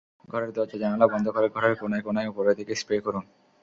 ঘরের দরজা-জানালা বন্ধ করে ঘরের কোনায় কোনায় ওপরের দিকে স্প্রে করুন।